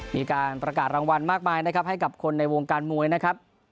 มีการประกาศรางวัลมากมายนะครับให้กับคนในวงการมวยนะครับ